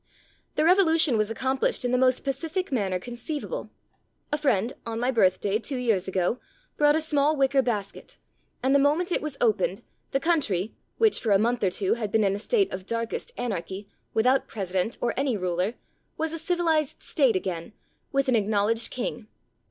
The revolution was accom plished in the most pacific manner conceivable. A Q 249 There Arose a King friend, on my birthday, two years ago, brought a small wicker basket, and the moment it was opened the country, which for a month or two had been in a state of darkest anarchy, without president or any ruler, was a civilized state again, with an acknow ledged king.